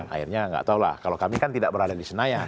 akhirnya nggak tahu lah kalau kami kan tidak berada di senayan